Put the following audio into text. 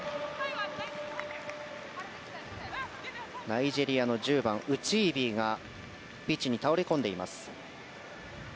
ナイジェリアの１０番、ウチービーがピッチに倒れ込んでいます。